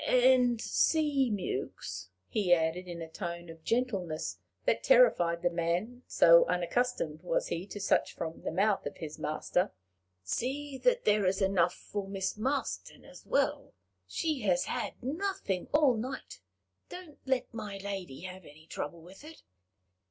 "And see, Mewks," he added, in a tone of gentleness that terrified the man, so unaccustomed was he to such from the mouth of his master "see that there is enough for Miss Marston as well. She has had nothing all night. Don't let my lady have any trouble with it.